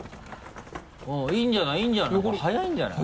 いいんじゃないいいんじゃないこれ速いんじゃない。